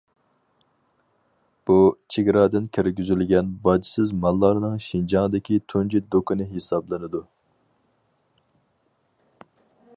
بۇ، چېگرادىن كىرگۈزۈلگەن باجسىز ماللارنىڭ شىنجاڭدىكى تۇنجى دۇكىنى ھېسابلىنىدۇ.